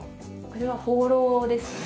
これはホーローですね。